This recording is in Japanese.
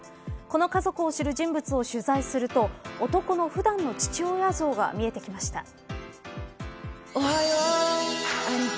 この家族を知る人物を取材すると男の普段の父親像が見えてきました。